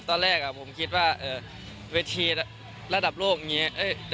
ตอนแรกผมคิดว่าเวทีระดับโลกอย่างนี้